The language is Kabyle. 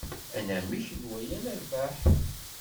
Anamek n waya nerbeḥ?